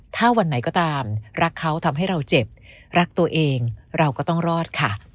ถ้าวันไหนก็ตามรักเขาทำให้เราเจ็บรักตัวเองเราก็ต้องรอดค่ะ